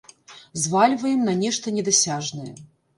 Звальваем на нешта недасяжнае.